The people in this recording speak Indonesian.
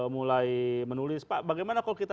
mulai menulis pak bagaimana kalau kita